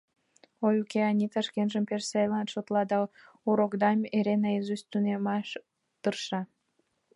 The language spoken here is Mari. Ой, уке, Анита шкенжым пеш сайлан шотла да урокдам эре наизусть тунемаш тырша.